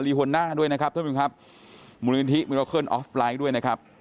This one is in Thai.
มีหัวหน้าด้วยนะครับมูลยนทิมิโรเคิลออฟไลน์ด้วยนะครับ